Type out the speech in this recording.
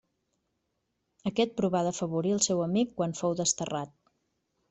Aquest provà d'afavorir al seu amic quan fou desterrat.